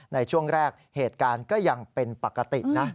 ในช่วงแรกเหตุการณ์ก็ยังเป็นปกตินะ